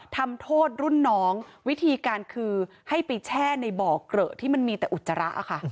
ทำโทษรุ่นน้องวิธีการคือให้ไปแช่ในบ่อเกลอะที่มันมีแต่อุจจาระค่ะ